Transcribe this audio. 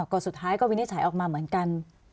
ก็สุดท้ายก็วินิจฉัยออกมาเหมือนกัน